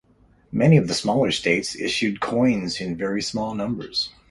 Many of the smaller states issued coins in very small numbers.